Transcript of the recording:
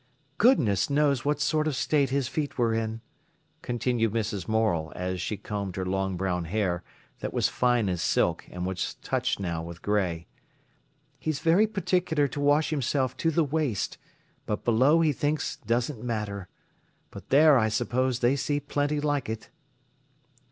"Goodness knows what sort of state his feet were in," continued Mrs. Morel, as she combed her long brown hair, that was fine as silk, and was touched now with grey. "He's very particular to wash himself to the waist, but below he thinks doesn't matter. But there, I suppose they see plenty like it."